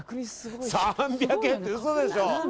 ３００円って嘘でしょ